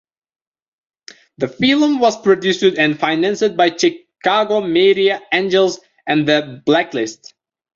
The film was produced and financed by Chicago Media Angels and The Blacklist.